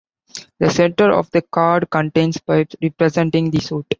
The center of the card contains pips representing the suit.